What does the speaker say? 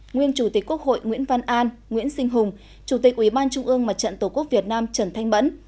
nguyên chủ tịch quốc hội nguyễn văn an nguyễn sinh hùng chủ tịch ubnd mặt trận tổ quốc việt nam trần thanh bẫn